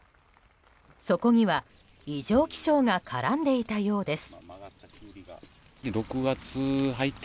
そこには異常気象が絡んでいたようです。